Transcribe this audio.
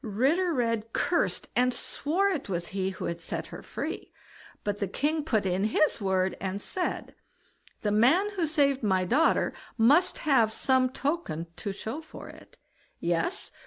Ritter Red cursed and swore it was he who had set her free; but the king put in his word, and said: "The man who saved my daughter must have some token to show for it." Yes!